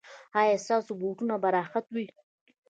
ایا ستاسو بوټونه به راحت وي؟